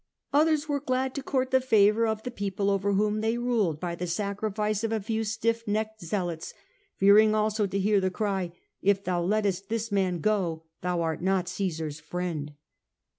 Others were glad to court the favour of the people over whom they ruled by the sacrifice of a few stiff necked zealots, fearing also to hear the cry, ' If thou lettest this man go, thou art not Caesar's friend.